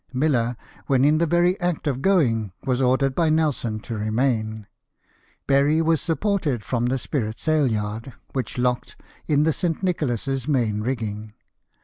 Miller, when in the very act of going, was ordered by Nelson to remain. Berry was supported from the spritsailyard, which locked in the S. Nicolas s main rigging.